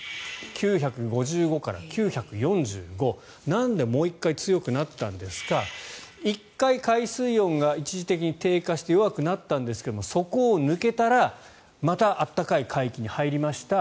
なんでもう１回強くなったんですか１回、海水温が一時的に低下して弱くなったんですがそこを抜けたらまた暖かい海域に入りました。